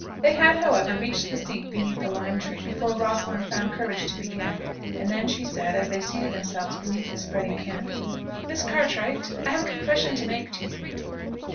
They had, however, reached the seat beneath the lime tree before Rosalind found courage to begin: and then she said, as they seated themselves beneath the spreading canopy, "Miss Cartwright, I have a confession to make to you."